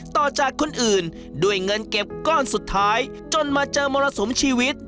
ต่อจากคนอื่นด้วยเงินเก็บก้อนสุดท้ายจนมาเจอมรสุมชีวิต